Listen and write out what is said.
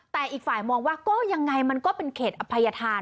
แต่อีกฝ่ายมองว่าก็ยังไงมันก็เป็นเขตอภัยธาน